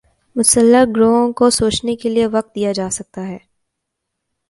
مسلح گروہوں کو سوچنے کے لیے وقت دیا جا سکتا ہے۔